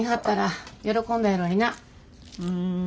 うん。